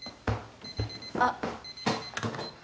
あっ。